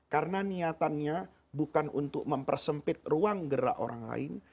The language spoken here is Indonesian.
karena niatannya bukan untuk mempersempit ruang gerak orang lain